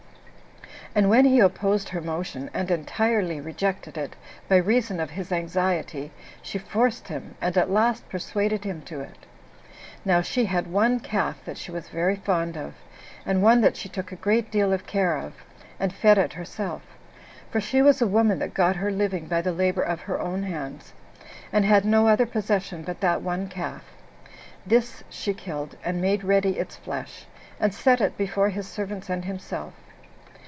And when he opposed her motion, and entirely rejected it, by reason of his anxiety, she forced him, and at last persuaded him to it. Now she had one calf that she was very fond of, and one that she took a great deal of care of, and fed it herself; for she was a woman that got her living by the labor of her own hands, and had no other possession but that one calf; this she killed, and made ready its flesh, and set it before his servants and himself.